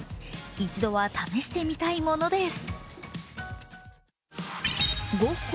一度は試してみたいものです。